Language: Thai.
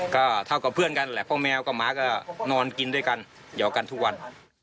ก็เท่ากับเพื่อนกันแหละพ่อแมวกับหมาก็นอนกินด้วยกันหยอกกันทุกวัน